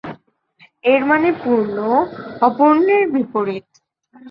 এর মানে পূর্ণ, অপূর্ণের বিপরীত।